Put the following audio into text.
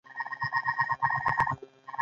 زه د ښوونکي په خوږه ژبه وغولېدم.